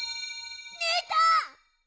ねえたん！？